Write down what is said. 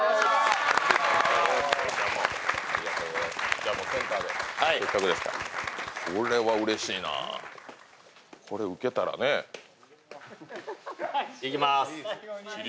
じゃ、センターで、せっかくですから。これはうれしいなぁ、これウケたらねえ。いきます。